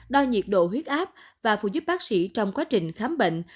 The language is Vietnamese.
đo nhiệt độ huyết áp và phụ giúp bác sĩ trong quá trình khám bệnh